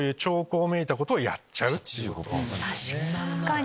確かに。